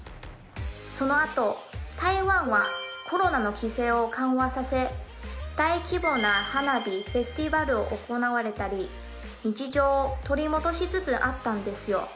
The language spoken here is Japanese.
そのあと台湾はコロナの規制を緩和させ大規模な花火フェスティバルが行われたり日常を取り戻しつつあったんですよ。